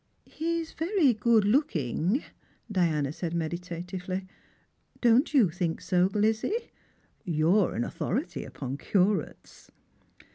" He's very good looking," Diana said meditatively. " Don't you think so, Lizzie ? You're an authority upon curates."